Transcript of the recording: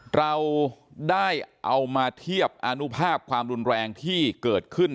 เราได้เอามาเทียบอนุภาพความรุนแรงที่เกิดขึ้น